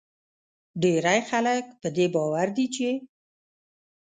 ډیری خلک په دې باور دي چې